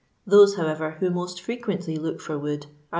Those, however, who most firequently look for wood are tl'.